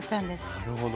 なるほど。